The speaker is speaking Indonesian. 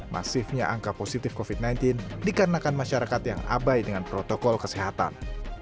masifnya angka positif covid sembilan belas dikarenakan masyarakat yang abai dengan protokol kesehatan